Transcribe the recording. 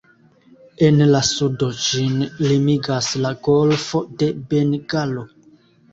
En la sudo ĝin limigas la golfo de Bengalo.